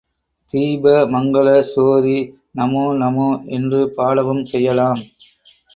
தீப மங்கள சோதி நமோ நமோ என்று பாடவும் செய்யலாம்.